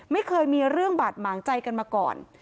ไม่เคยมีเรื่องบาดหมางใจกันมาก่อน